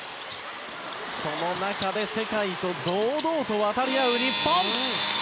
その中で世界と堂々と渡り合う日本。